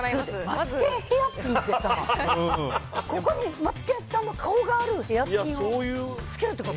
マツケンヘアピンってさ、ここにマツケンさんの顔があるヘアピンをつけるってこと？